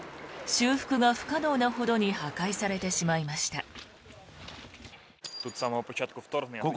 修復が不可能なほどに破壊されてしまいました。